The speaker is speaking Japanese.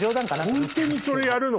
ホントにそれやるの？